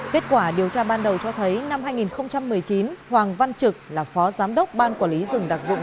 kết quả điều tra ban đầu cho thấy năm hai nghìn một mươi chín hoàng văn trực là phó giám đốc ban quản lý rừng đặc dụng